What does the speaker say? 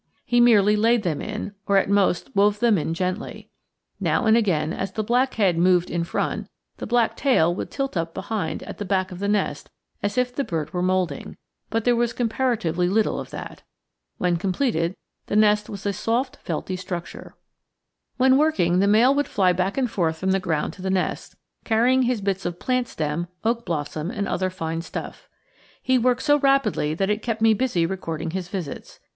He merely laid them in, or at most wove them in gently. Now and then, as the black head moved in front, the black tail would tilt up behind at the back of the nest as if the bird were moulding; but there was comparatively little of that. When completed, the nest was a soft felty structure. When working, the male would fly back and forth from the ground to the nest, carrying his bits of plant stem, oak blossom, and other fine stuff. He worked so rapidly that it kept me busy recording his visits.